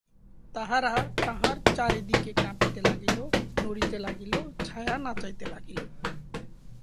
তাহারা তাঁহার চারি দিকে কাঁপিতে লাগিল, নড়িতে লাগিল, ছায়া নাচাইতে লাগিল।